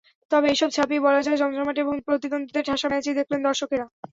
তবে এসব ছাপিয়ে বলা যায়, জমজমাট এবং প্রতিদ্বন্দ্বিতায় ঠাসা ম্যাচই দেখলেন দর্শকেরা।